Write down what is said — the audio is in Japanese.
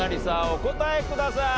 お答えください。